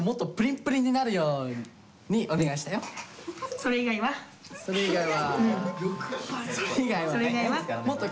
それ以外は。